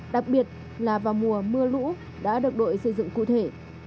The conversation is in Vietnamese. đặc biệt là vào mùa mưa lũ đã được đội xây dựng cụ thể